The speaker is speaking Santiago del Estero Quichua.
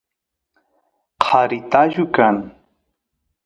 qari tullu kan